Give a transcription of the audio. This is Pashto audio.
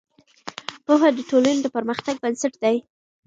پوهه د ټولنې د پرمختګ بنسټ دی.